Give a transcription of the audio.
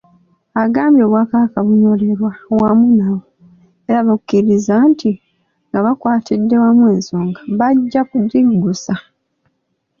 Agambye Obwakabaka bunyolerwa wamu nabo era bukkiriza nti nga bakwatidde wamu ensonga, bajja kugiggusa.